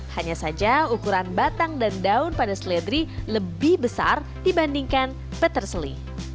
hanya saja ukuran batang dan daun pada seledri lebih besar dibandingkan peterseli